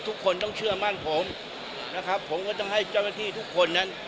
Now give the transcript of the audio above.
ทุกคนต้องเชื่อมั่นผมนะครับผมก็ต้องให้เจ้าหน้าที่ทุกคนนั้น